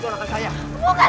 bukan kan dia bohong